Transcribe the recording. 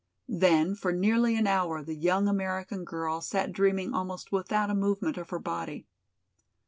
Then for nearly an hour the young American girl sat dreaming almost without a movement of her body.